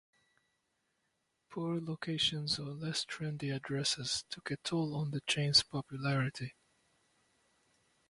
Poor locations or less trendy addresses took a toll on the chain's popularity.